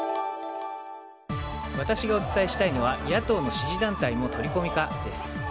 私がお伝えしたいのは野党の支持団体も取り込みかです。